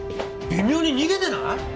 微妙に逃げてない？